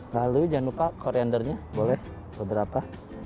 lalu jangan lupa koriandernya boleh beberapa